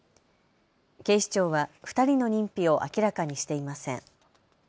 警視庁は２人の認否を明らかにしていません。